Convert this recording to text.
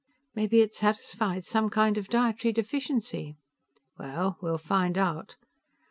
"Maybe it satisfies some kind of dietary deficiency." "Well, we'll find out."